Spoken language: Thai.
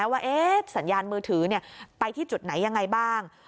ว่าสัญญาณมือถือไปที่จุดไหนยังไงบ้าง